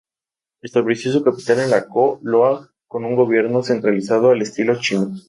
Estableció su capital en Co Loa con un gobierno centralizado al estilo chino.